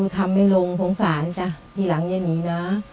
ทำไม่ลงโทษสานที่หลังเยี่ยมนี้นะ